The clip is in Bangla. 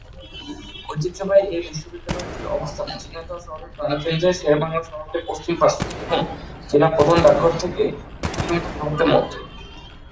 ঐতিহ্যবাহী এ বিদ্যালয়টির অবস্থান ঝিনাইদহ শহরের প্রাণকেন্দ্রে শেরেবাংলা সড়কের পশ্চিম পার্শ্বে এবং জেলার প্রধান ডাকঘর থেকে এক কিলোমিটার দূরত্বের মধ্যে।